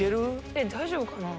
大丈夫かな？